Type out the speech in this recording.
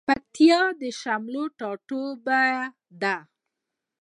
پکتيا د شملو ټاټوبی ده